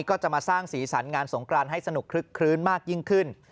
ก็จะมาสร้างสีสันงานสงกรานให้สนุกคลึกคลื้นมากยิ่งขึ้น